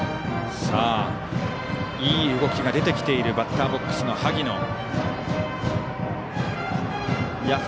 いい動きが出てきているバッターボックスの萩野。